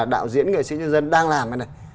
đạo diễn người sĩ nhân dân đang làm